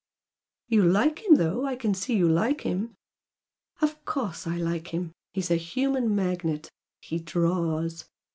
"You like him though! I can see you like him!" "Of course I like him! He's a human magnet, he 'draws'!